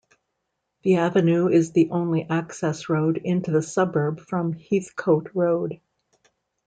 The Avenue is the only access road into the suburb from Heathcote Road.